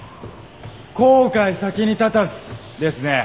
「後悔先に立たず」ですね。